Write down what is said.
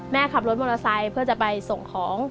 ขับรถมอเตอร์ไซค์เพื่อจะไปส่งของ